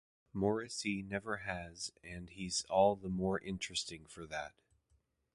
Morrissey never has and he's all the more interesting for that.